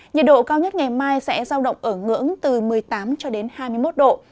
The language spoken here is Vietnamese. nhiệt độ cao nhất ngày mai sẽ giao động ở ngưỡng từ một mươi tám cho đến hai mươi một độ